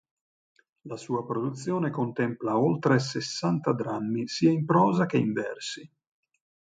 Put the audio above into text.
La sua produzione contempla oltre sessanta drammi sia in prosa che in versi.